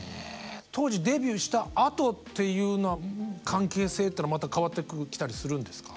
当時デビューしたあとっていうのは関係性っていうのはまた変わってきたりするんですか？